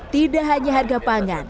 tidak hanya harga pangan